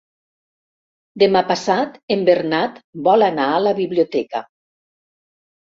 Demà passat en Bernat vol anar a la biblioteca.